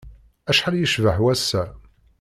Acḥal yecbeḥ wass-a!